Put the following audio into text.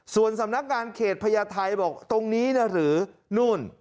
ส่วนสำนักงานเขตพญาไทยบอกตรงนี้นะหรือนู่น